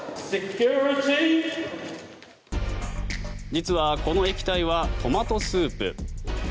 実はこの液体はトマトスープ。